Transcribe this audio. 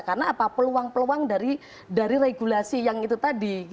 karena apa peluang peluang dari regulasi yang itu tadi